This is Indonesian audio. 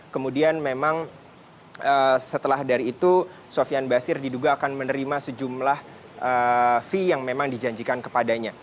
kemudian memang setelah dari itu sofian basir diduga akan menerima sejumlah fee yang memang dijanjikan kepadanya